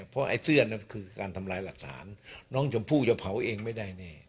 เพราะไอ้เสื้อนั้นคือการทำลายหลักฐานน้องชมพู่จะเผาเองไม่ได้แน่